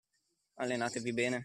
Allenatevi bene.